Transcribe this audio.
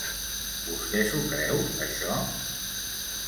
Vostè s'ho creu, això?